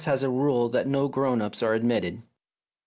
has a rule that no grown ups are admitted